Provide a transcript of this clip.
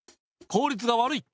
効率が悪い。